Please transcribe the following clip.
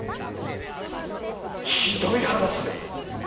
ひどい話です。